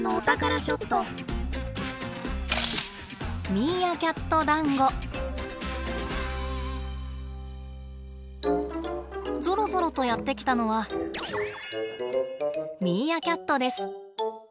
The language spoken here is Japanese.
続いてはぞろぞろとやって来たのはミーアキャットです。